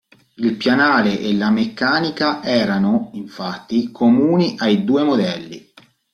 Il pianale e la meccanica erano, infatti, comuni ai due modelli.